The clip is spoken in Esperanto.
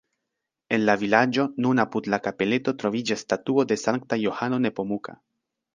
En la vilaĝo, nun apud la kapeleto, troviĝas statuo de Sankta Johano Nepomuka.